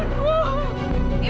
ibu ibu bangun